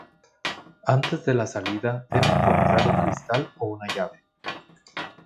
Antes de la salida debe encontrar un cristal o una llave.